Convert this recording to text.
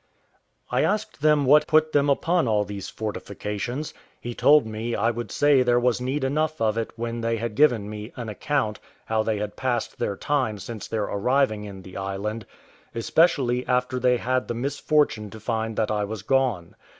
I asked them what put them upon all these fortifications; he told me I would say there was need enough of it when they had given me an account how they had passed their time since their arriving in the island, especially after they had the misfortune to find that I was gone.